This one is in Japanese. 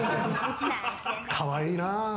かわいいな。